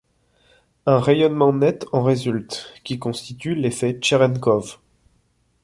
Un rayonnement net en résulte, qui constitue l’effet Tcherenkov.